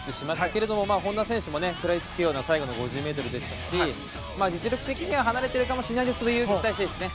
けれども本多選手も食らいつくような最後の５０ｍでしたし実力的には離れているかもしれませんがね。